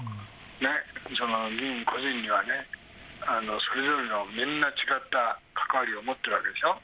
議員個人がね、それぞれのみんな違った関わりを持ってるわけでしょ。